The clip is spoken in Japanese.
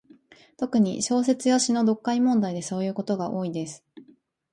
特に、小説や詩の読解問題でそういうことが多いです。